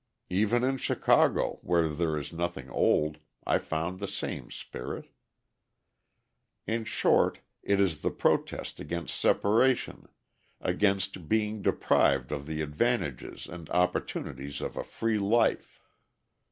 Even in Chicago, where there is nothing old, I found the same spirit. In short, it is the protest against separation, against being deprived of the advantages and opportunities of a free life.